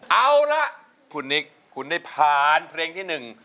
เอาล่ะคุณนิคคุณได้ผ่านเพลงที่๑